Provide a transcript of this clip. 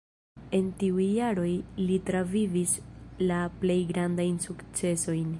En tiuj jaroj li travivis la plej grandajn sukcesojn.